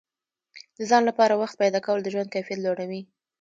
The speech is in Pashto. د ځان لپاره وخت پیدا کول د ژوند کیفیت لوړوي.